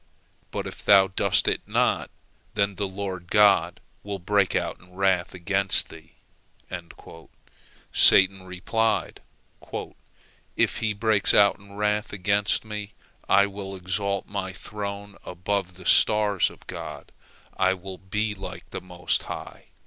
But if thou doest it not, then the Lord God will break out in wrath against thee." Satan replied: "If He breaks out in wrath against me, I will exalt my throne above the stars of God, I will be like the Most High!"